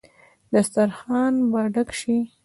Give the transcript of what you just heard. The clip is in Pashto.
دسترخان به ډک شي.